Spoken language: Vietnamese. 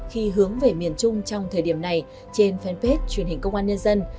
khi hướng về miền trung trong thời điểm này trên fanpage truyền hình công an nhân dân